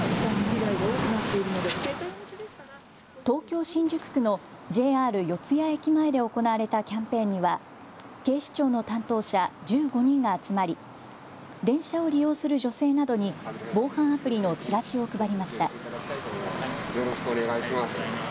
東京・新宿区のＪＲ四ツ谷駅前で行われたキャンペーンには警視庁の担当者１５人が集まり電車を利用する女性などに防犯アプリのチラシを配りました。